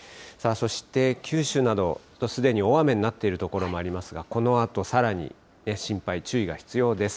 そして、九州など、すでに大雨になっている所もありますが、このあとさらに心配、注意が必要です。